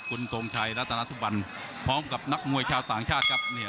คุณทงชัยรัตนาสุบันพร้อมกับนักมวยชาวต่างชาติครับ